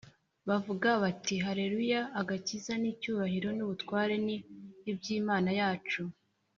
bavuga bati “Haleluya! Agakiza n’icyubahiro n’ubutware ni iby’Imana yacu,